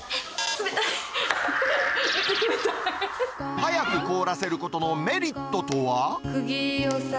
速く凍らせることのメリット